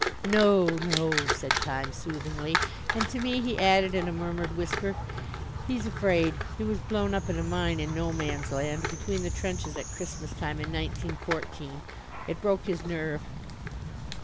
"No, no," said Time soothingly. And to me he added in a murmured whisper, "He's afraid. He was blown up in a mine in No Man's Land between the trenches at Christmas time in 1914. It broke his nerve."